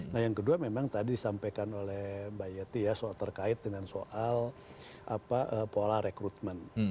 nah yang kedua memang tadi disampaikan oleh mbak yeti ya terkait dengan soal pola rekrutmen